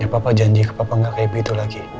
ya papa janji ke papa gak kayak gitu lagi